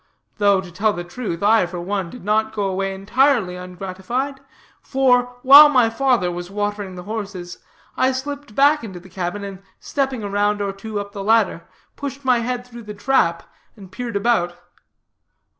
Though, to tell the truth, I, for one, did not go away entirely ungratified, for, while my father was watering the horses, I slipped back into the cabin, and stepping a round or two up the ladder, pushed my head through the trap, and peered about.